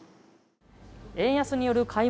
円安による買い